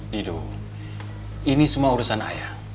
dido ini semua urusan ayah